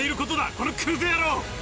このクズ野郎！